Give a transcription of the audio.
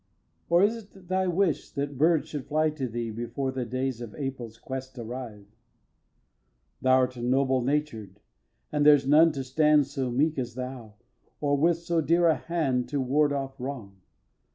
Or is't thy wish that birds should fly to thee Before the days of April's quest arrive? xiii. Thou'rt noble natured; and there's none to stand So meek as thou, or with so dear a hand To ward off wrong.